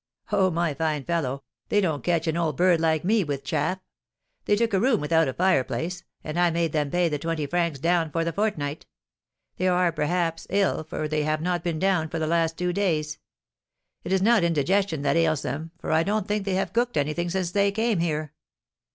"Oh, my fine fellow, they don't catch an old bird like me with chaff. They took a room without a fireplace, and I made them pay the twenty francs down for the fortnight. They are, perhaps, ill, for they have not been down for the last two days. It is not indigestion that ails them, for I don't think they have cooked anything since they came here."